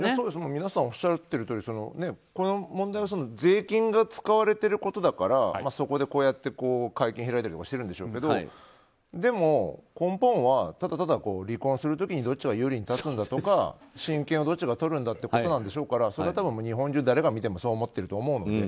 皆さんおっしゃっているとおりこの問題は税金が使われてることだからこうやって会見開いたりとかしてるんでしょうけどでも、根本はただただ離婚する時にどっちが有利に立つんだとか親権をどっちがとるんだってことなんでしょうからそれは日本中、誰が見てもそう思っていると思うんですよ。